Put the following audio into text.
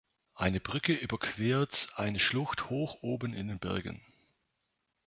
Eine Brücke überquert eine Schlucht hoch oben in den Bergen.